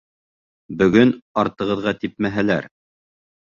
Бөгөн артығыҙға типмәһәләр.